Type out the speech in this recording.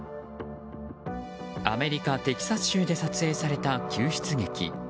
アメリカ・テキサス州で撮影された救出劇。